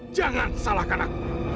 jangan salahkan aku